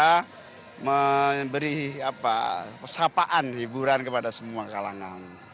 bisa memberi apa persahapaan hiburan kepada semua kalangan